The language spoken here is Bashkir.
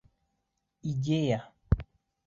Идея!